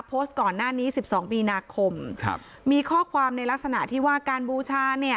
โพสต์ก่อนหน้านี้สิบสองมีนาคมครับมีข้อความในลักษณะที่ว่าการบูชาเนี่ย